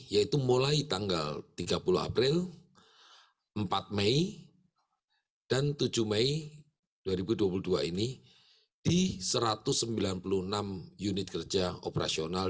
yaitu mulai tanggal tiga puluh april empat mei dan tujuh mei dua ribu dua puluh dua ini di satu ratus sembilan puluh enam unit kerja operasional